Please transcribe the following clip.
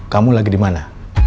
kamu lagi di mana